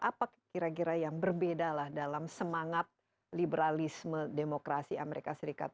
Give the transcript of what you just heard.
apa kira kira yang berbeda dalam semangat liberalisme demokrasi amerika serikat